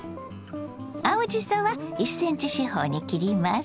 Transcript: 青じそは１ｃｍ四方に切ります。